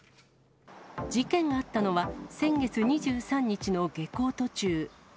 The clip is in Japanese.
事件があったのは、先月２３日の下校途中。